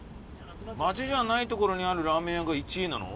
街じゃない所にあるラーメン屋が１位なの？